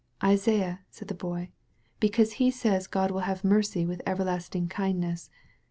'* "Isaiah," said the Boy, "because he says God will have mercy with everlasting kindness.